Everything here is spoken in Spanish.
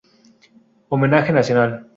Homenaje nacional".